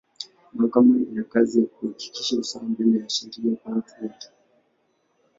Mahakama ina kazi ya kuhakikisha usawa mbele ya sheria kwa watu wote.